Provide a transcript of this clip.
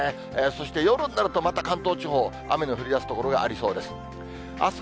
そして夜になると、また関東地方、雨の降りだす所がありそうです。